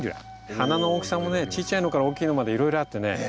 花の大きさもねちいちゃいのから大きいのまでいろいろあってね。